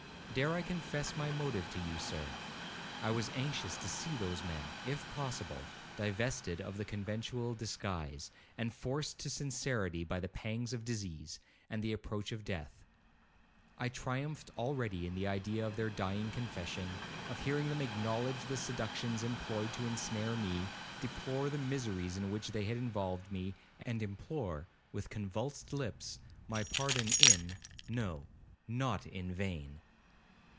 Dare I confess my motive to you, Sir? I was anxious to see those men, if possible, divested of the conventual disguise, and forced to sincerity by the pangs of disease, and the approach of death. I triumphed already in the idea of their dying confession, of hearing them acknowledge the seductions employed to ensnare me, deplore the miseries in which they had involved me, and implore, with convulsed lips, my pardon in—no—not in vain.